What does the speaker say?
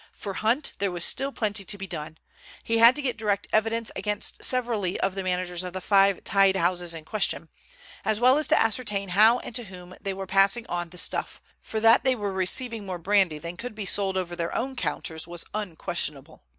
For Hunt there was still plenty to be done. He had to get direct evidence against each severally of the managers of the five tied houses in question, as well as to ascertain how and to whom they were passing on the "stuff," for that they were receiving more brandy than could be sold over their own counters was unquestionable.